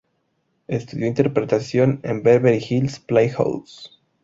Estudió interpretación en Beverly Hills Playhouse.